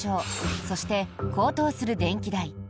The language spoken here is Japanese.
そして、高騰する電気代。